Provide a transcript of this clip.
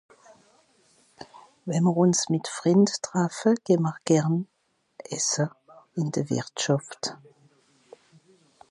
wenn'mr uns mìt Frìnd traffe gehn'mr gern esse in de Wìrtschàft